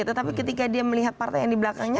tetapi ketika dia melihat partai yang di belakangnya